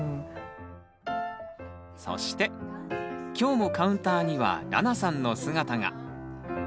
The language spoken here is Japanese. そして今日もカウンターにはらなさんの姿が。